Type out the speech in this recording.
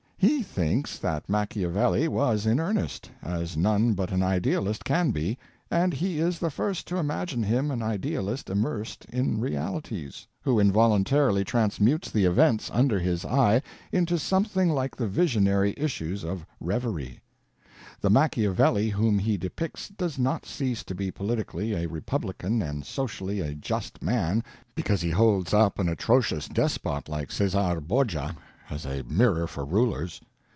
He thinks that Machiavelli was in earnest, as none but an idealist can be, and he is the first to imagine him an idealist immersed in realities, who involuntarily transmutes the events under his eye into something like the visionary issues of reverie. The Machiavelli whom he depicts does not cease to be politically a republican and socially a just man because he holds up an atrocious despot like Caesar Borgia as a mirror for rulers.